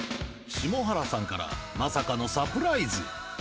下原さんからまさかのサプライズ